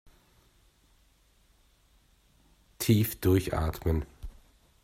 Tief durchatmen!